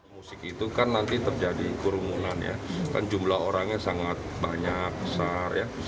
musik itu kan nanti terjadi kerumunan ya kan jumlah orangnya sangat banyak besar ya